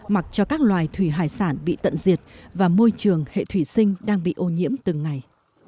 mặc cho các loài thủy hải sản bị tận diệt và môi trường hệ thủy sinh đang bị ô nhiễm từng ngày